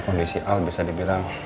kondisi al bisa dibilang